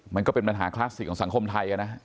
มันก็เป็นปัญหาคลาสสิกของสังคมไทยนะ